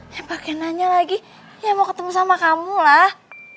saya pakai nanya lagi ya mau ketemu sama kamu lah